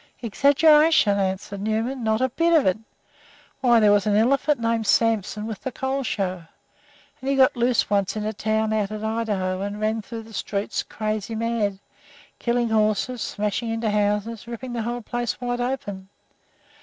"Exaggeration!" answered Newman. "Not a bit of it. Why, there was an elephant named Samson with the Cole show, and he got loose once in a town out in Idaho and ran through the streets crazy mad, killing horses, smashing into houses, ripping the whole place wide open.